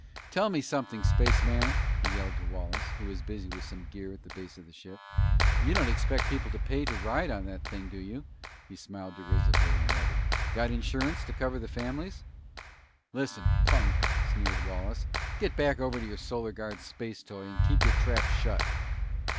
"Tell me something, spaceman," he yelled to Wallace, who was busy with some gear at the base of the ship, "you don't expect people to pay to ride that thing, do you?" He smiled derisively and added, "Got insurance to cover the families?" "Listen, punk!" sneered Wallace, "get back over to your Solar Guard space toy and keep your trap shut!"